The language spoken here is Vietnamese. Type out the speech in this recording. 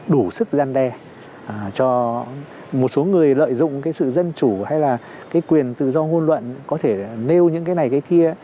đủ sức gian đe cho một số người lợi dụng cái sự dân chủ hay là cái quyền tự do ngôn luận có thể nêu những cái này cái kia